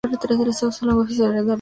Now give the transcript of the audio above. Su lengua oficial era la rutena.